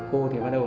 khô thì bắt đầu